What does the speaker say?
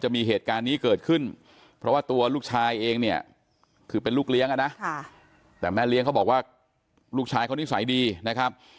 มีเหตุการณ์นี้เกิดขึ้นเพราะว่าตัวลูกชายเองเนี่ยคือเป็นลูกเลี้ยงอ่ะนะแต่แม่เลี้ยงเขาบอกว่าลูกชายเขานิสัยดีนะครับ